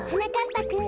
ぱくん。